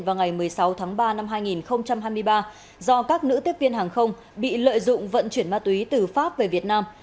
vào ngày một mươi sáu tháng ba năm hai nghìn hai mươi ba do các nữ tiếp viên hàng không bị lợi dụng vận chuyển ma túy từ pháp về việt nam